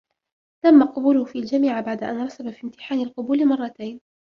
تم قبوله في الجامعة بعد أن رسب في امتحان القبول مرتين.